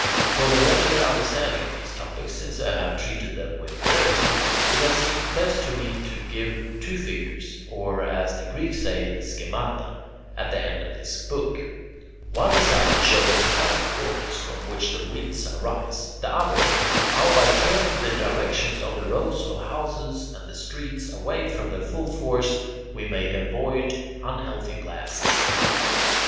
For the readier understanding of these topics, since I have treated them with brevity, it has seemed best to me to give two figures, or, as the Greeks say, [Greek: schemata], at the end of this book: one designed to show the precise quarters from which the winds arise; the other, how by turning the directions of the rows of houses and the streets away from their full force, we may avoid unhealthy blasts.